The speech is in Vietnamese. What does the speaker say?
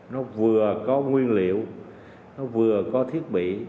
nó vừa có nguyên liệu nó vừa có thiết bị